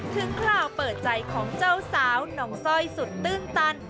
ถึงข่าวเปิดใจของเจ้าสาวน้องสร้อยสุดตื้นตัน